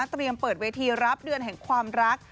เปิดเวทีรับเดือนแห่งความรัก